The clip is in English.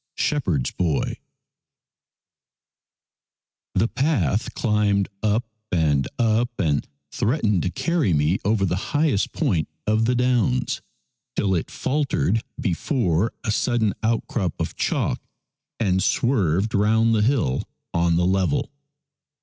SHEPHERD'S BOY THE path climbed up and up and threatened to carry me over the highest point of the downs till it faltered before a sudden outcrop of chalk and swerved round the hill on the level.